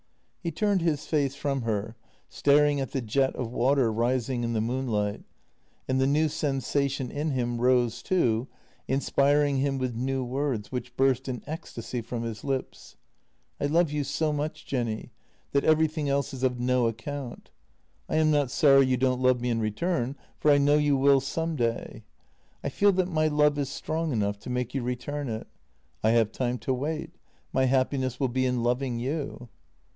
He turned his face from her, staring at the jet of water rising in the moonlight, and the new sensation in him rose too, in spiring him with new words, which burst in ecstasy from his lips: " I love you so much, Jenny, that everything else is of no account. I am not sorry you don't love me in return, for I know you will some day; I feel that my love is strong enough to make you return it. I have time to wait; my happiness will be in loving you.